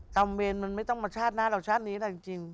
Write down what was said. เวรมันไม่ต้องมาชาติหน้าเราชาตินี้แหละจริง